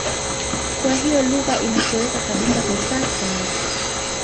Kwa hiyo lugha imetoweka kabisa kwa sasa.